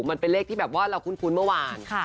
มันเป็นเลขที่แบบว่าเราคุ้นเมื่อวาน